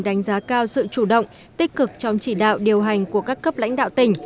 đánh giá cao sự chủ động tích cực trong chỉ đạo điều hành của các cấp lãnh đạo tỉnh